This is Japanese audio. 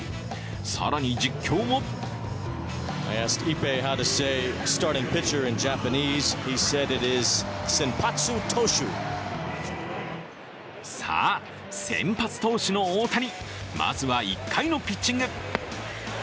更に実況もさあ、先発投手の大谷、まずは１回のピッチング。